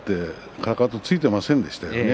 かかとついていませんでしたよね。